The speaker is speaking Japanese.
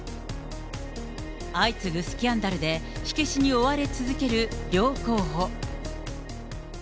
相次ぐスキャンダルで火消しに追われ続ける両候補。